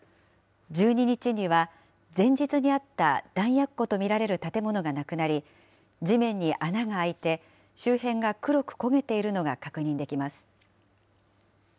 １２日には、前日にあった弾薬庫と見られる建物がなくなり、地面に穴が開いて、周辺が黒く焦げているのが確認できます。